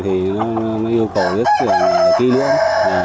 thì nó yêu cầu rất là kỹ lưỡng